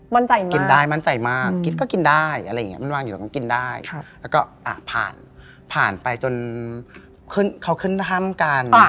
มั่นใจมากมั่นใจมากกินก็กินได้มันวางอยู่ตรงกินได้แล้วก็ผ่านผ่านไปจนเขาขึ้นถ้ำกัน